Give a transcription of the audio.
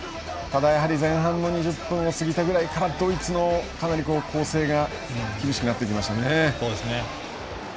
ただ、前半２０分を過ぎたぐらいからドイツの攻勢が厳しくなってきました。